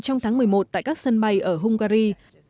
trong tháng một mươi một tại các sân bay ở hungary